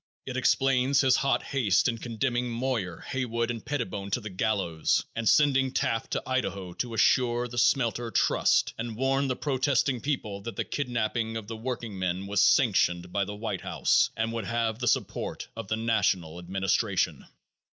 It explains his hot haste in condemning Moyer, Haywood and Pettibone to the gallows and sending Taft to Idaho to assure the smelter trust and warn the protesting people that the kidnaping of the workingmen was sanctioned by the White House and would have the support of the national administration.